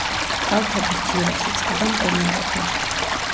კალთების ძირას იწყება მყინვარები.